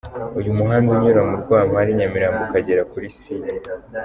Uyu muhanda unyura mu Rwampara i Nyamirambo ukagera kuri C.